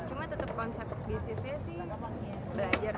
cuma tetep konsep bisnisnya sih belajar